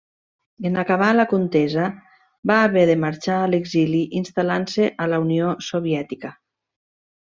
En acabar la contesa va haver de marxar a l'exili, instal·lant-se a la Unió Soviètica.